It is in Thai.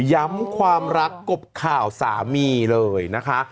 ความรักกบข่าวสามีเลยนะคะ